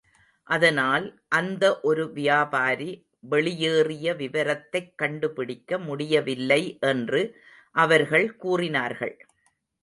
அதனால், அந்த ஒரு வியாபாரி வெளியேறிய விவரத்தைக் கண்டுபிடிக்க முடியவில்லை என்று அவர்கள் கூறினார்கள்.